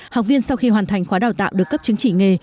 học viên sau khi hoàn thành khóa đào tạo được cấp chứng chỉ nghề